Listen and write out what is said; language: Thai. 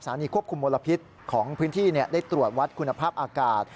ณีควบคุมมลพิษของพื้นที่ได้ตรวจวัดคุณภาพอากาศ